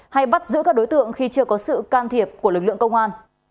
hay bắt giữ các đối tượng khi chưa có sự can thiệp của lực lượng công an